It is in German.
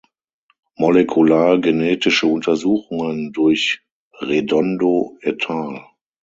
Molekular-genetische Untersuchungen durch Redondo et al.